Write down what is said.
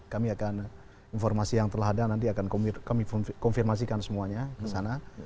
kami akan informasi yang telah ada nanti akan kami konfirmasikan semuanya ke sana